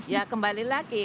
ya kembali lagi